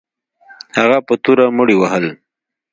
هغه په توره مړي وهل.